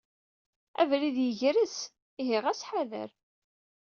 Abrid yegres, ihi ɣas ḥader..